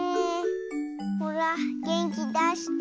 ほらげんきだして。